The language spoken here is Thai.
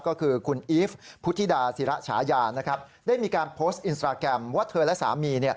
ก็คือคุณอีฟพุทธิดาศิระฉายาได้มีการโพสต์อินสตราแกรมว่าเธอและสามี